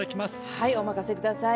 はいお任せ下さい。